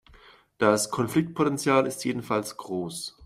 Das Konfliktpotenzial ist jedenfalls groß.